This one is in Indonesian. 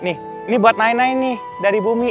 ini buat nainai nih dari bumi